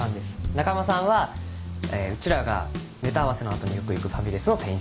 中浜さんはうちらがネタ合わせの後によく行くファミレスの店員さん。